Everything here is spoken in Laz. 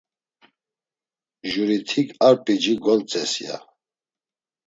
Juritik ar p̌ici gontzes, ya.